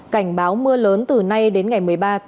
cảnh báo mưa lớn từ nay đến ngày một mươi ba